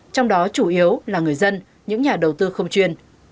trong đó chủ yếu là người dân những nhà đầu tư không chuyên